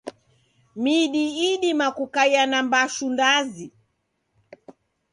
Midi idima kukaia na mbashu ndazi.